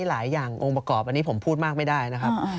หลายอย่างองค์ประกอบอันนี้ผมพูดมากไม่ได้นะครับ